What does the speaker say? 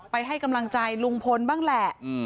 ให้กำลังใจลุงพลบ้างแหละ